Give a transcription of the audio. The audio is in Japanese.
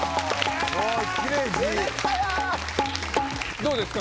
どうですか？